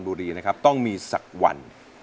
ไปละไปริมพื้นอัพพว่าน